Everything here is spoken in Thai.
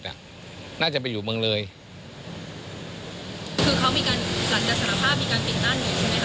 เนี้ยน่าจะไปอยู่เมืองเลยคือเขามีการหลังจากสารภาพมีการเปลี่ยนหน้าหนี